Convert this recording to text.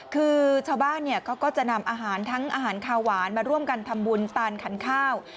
คือชาวบ้านเขาก็จะนำอาหารทั้งอาหารขาวหวานมาร่วมกันทำบุญตาลขันข้าว